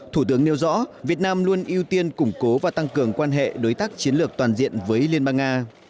thủ tướng nêu rõ việt nam luôn ưu tiên củng cố và tăng cường quan hệ đối tác chiến lược toàn diện với liên bang nga